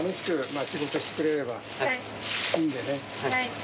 はい。